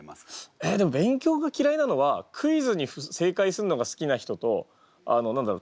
えでも勉強が嫌いなのはクイズに正解すんのが好きな人とあの何だろう？